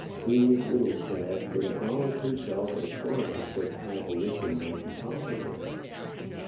He, Whittlestaff, would abolish himself as far as such abolition might be possible.